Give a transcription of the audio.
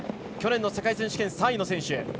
去年の世界選手権３位の選手。